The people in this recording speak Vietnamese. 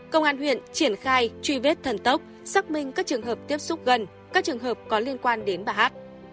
công an huyện triển khai truy vết thần tốc xác minh các trường hợp tiếp xúc gần các trường hợp có liên quan đến bà hát